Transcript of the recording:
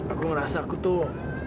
aku ngerasa aku tuh